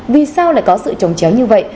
vì sao lại có sự trống chéo như vậy